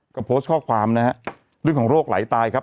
ก็โพสต์ข้อความนะฮะเรื่องของโรคไหลตายครับ